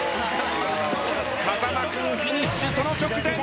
風間君フィニッシュその直前。